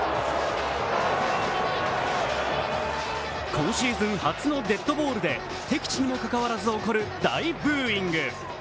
今シーズン初のデッドボールで敵地にも関わらず起こる大ブーイング。